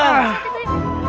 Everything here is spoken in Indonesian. bang sakit aja yuk